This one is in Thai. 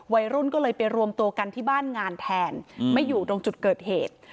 วัยรุ่นก็เลยไปรวมตัวกันที่บ้านงานแทนไม่อยู่ตรงจุดเกิดเหตุ